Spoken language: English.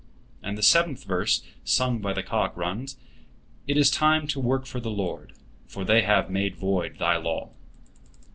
And the seventh verse sung by the cock runs: "It is time to work for the Lord, for they have made void Thy law."